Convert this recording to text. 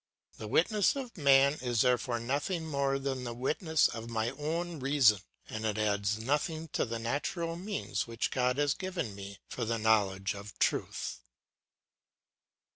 The witness of man is therefore nothing more than the witness of my own reason, and it adds nothing to the natural means which God has given me for the knowledge of truth.